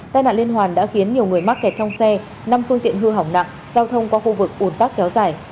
tai nạn liên hoàn đã khiến nhiều người mắc kẹt trong xe năm phương tiện hư hỏng nặng giao thông qua khu vực ủn tắc kéo dài